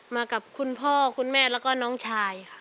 มากับคุณพ่อคุณแม่แล้วก็น้องชายค่ะ